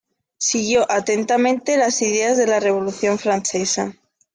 Siguió atentamente las ideas de la Revolución francesa.